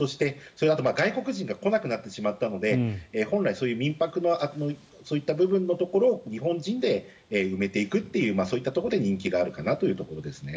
それから外国人が来なくなってしまったので本来、そういう民泊のそういった部分のところを日本人で埋めていくというそういったところで人気があるかなというところですね。